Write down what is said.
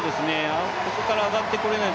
ここから上がってこれない